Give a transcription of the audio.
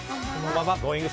Ｇｏｉｎｇ！